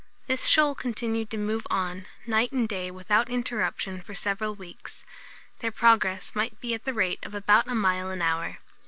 This shoal continued to move on, night and day without interruption for several weeks. Their progress might be at the rate of about a mile an hour.